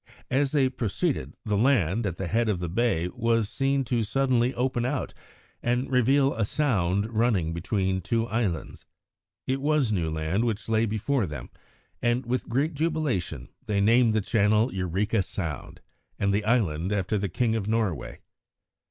As they proceeded, the land, at the head of the bay, was seen to suddenly open out and reveal a sound running between two islands. It was new land which lay before them, and with great jubilation they named the channel Eureka Sound and the island after the King of Norway.